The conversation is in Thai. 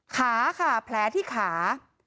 ขาค่ะแผลที่ขา